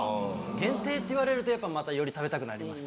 限定っていわれるとやっぱまたより食べたくなりますよね。